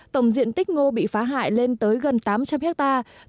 tổng diện tích ngô bị phá hại lên tới gần tám trăm linh hectare